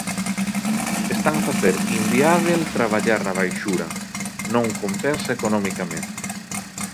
Están a facer inviábel traballar na baixura, non compensa economicamente.